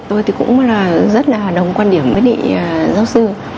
tôi thì cũng rất là đồng quan điểm với địa giáo sư